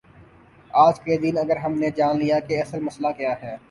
آج کے دن اگر ہم نے جان لیا کہ اصل مسئلہ کیا ہے۔